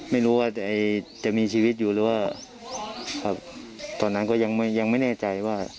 ไม่รู้ว่าจะมีชีวิตอยู่หรือว่าครับตอนนั้นก็ยังไม่ยังไม่แน่ใจว่า